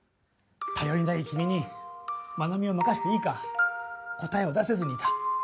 たよりない君にまなみをまかせていいか答えを出せずにいた。